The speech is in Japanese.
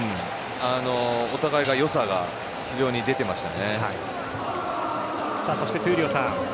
お互いのよさが非常に出ていました。